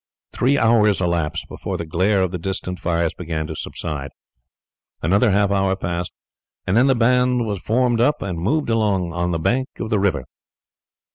Three hours elapsed before the glare of the distant fires began to subside, another half hour passed, and then the band were formed up and moved along on the bank of the river.